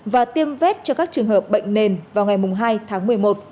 và tiêm vét cho các trường hợp bệnh nền vào ngày hai tháng một mươi một